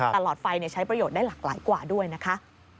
แต่หลอดไฟใช้ประโยชน์ได้หลากหลายกว่าด้วยนะคะ